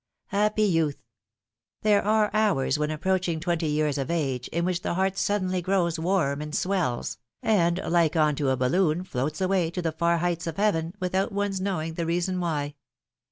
Happy youth ! There are hours when approaching twenty years of age, in which the heart suddenly grows warm and swells, and like unto a balloon floats away to the far heights of heaven without one's knowing the reason why.